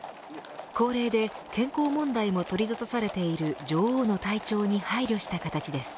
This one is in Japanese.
高齢で健康問題も取りざたされている女王の体調に配慮した形です。